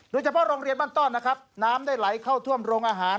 โดยเฉพาะโรงเรียนบ้านต้อนน้ำได้ไหลเข้าท่วมโรงอาหาร